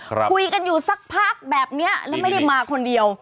ครับขุยกันอยู่สักพักแบบนี้และไม่ได้มาคนเดียวนี่นี่